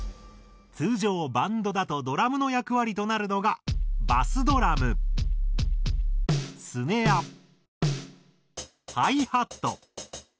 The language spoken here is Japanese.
通常バンドだとドラムの役割となるのがバスドラムスネアハイハット。